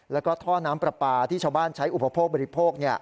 แล้วก็ท่อน้ำปลาปลาที่ชาวบ้านใช้อุปโภคบริโภค